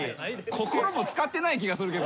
心も使ってない気がするけど。